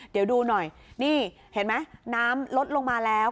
เดี๋ยวดูหน่อยนี่เห็นไหมน้ำลดลงมาแล้ว